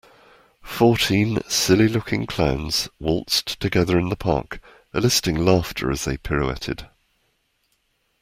Fourteen silly looking clowns waltzed together in the park eliciting laughter as they pirouetted.